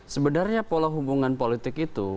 sebenarnya pola hubungan politik itu